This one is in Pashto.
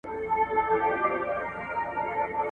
څه شی کولای سي زموږ ملي هویت نور هم پیاوړی کړي؟